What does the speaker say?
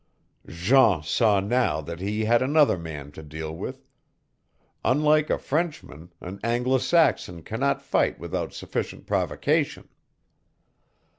Jean saw now that he had another man to deal with unlike a Frenchman, an Anglo Saxon cannot fight without sufficient provocation.